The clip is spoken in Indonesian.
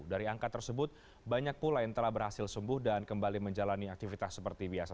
dari angka tersebut banyak pula yang telah berhasil sembuh dan kembali menjalani aktivitas seperti biasa